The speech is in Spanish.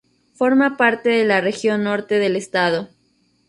Forma parte de la región Norte del estado.